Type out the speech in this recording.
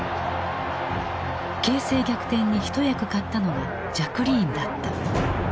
形勢逆転に一役買ったのがジャクリーンだった。